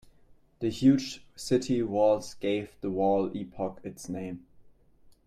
The huge city walls gave the wall epoch its name.